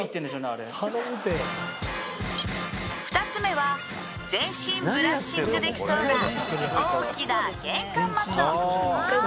あれ２つ目は全身ブラッシングできそうな大きな玄関マット